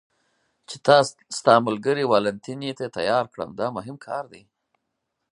چې تا ستا ملګري والنتیني ته تیار کړم، دا مهم کار دی.